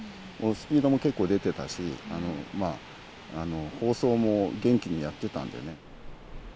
スピードも結構出てたし、放送も元気にやってたんでね。